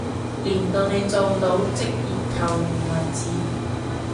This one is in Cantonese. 練到你做到職業球員為止